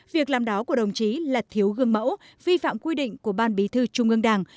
việc làm đó của đồng chí là thiếu gương mẫu vi phạm quy định của ban bí thư trung ương đảng